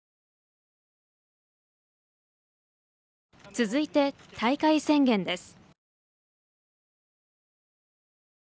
続いて大会宣言です。